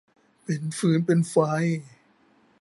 เป็นฟืนเป็นไฟ